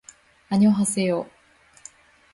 あにょはせよ